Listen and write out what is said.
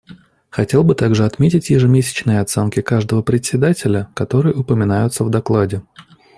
Хотел бы также отметить ежемесячные оценки каждого Председателя, которые упоминаются в докладе.